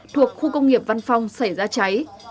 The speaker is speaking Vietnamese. thuộc khu công nghiệp văn phong xảy ra cháy